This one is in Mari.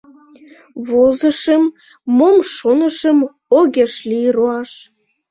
Возышым, мом шонышым Огеш лий руаш.